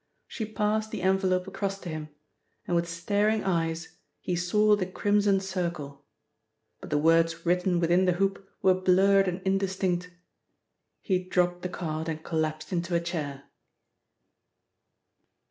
She passed the envelope across to him, and with staring eyes he saw the Crimson Circle, but the words written within the hoop were blurred and indistinct. He dropped the card and collapsed into a chair.